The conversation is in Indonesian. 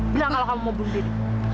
bilang kalau kamu mau bunuh diri